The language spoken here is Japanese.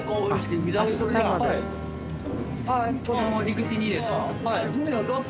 この陸地にですか？